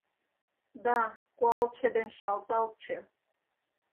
Да куалче ден шалталче